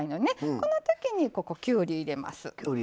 このときに、きゅうりを入れます。